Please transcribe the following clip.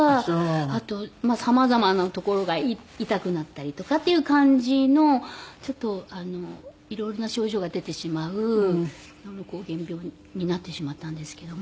あと様々な所が痛くなったりとかっていう感じのちょっと色々な症状が出てしまう膠原病になってしまったんですけども。